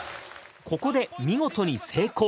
ここで見事に成功。